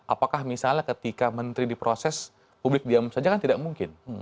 apakah misalnya ketika menteri diproses publik diam saja kan tidak mungkin